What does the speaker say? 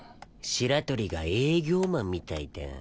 白鳥が営業マンみたいだ。